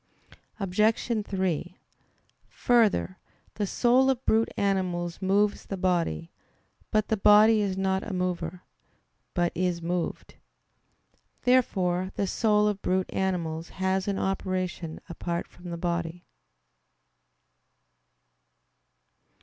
Obj. 3: Further, the soul of brute animals moves the body. But the body is not a mover, but is moved. Therefore the soul of brute animals has an operation apart from the body.